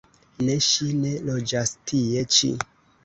Ne, ŝi ne loĝas tie ĉi.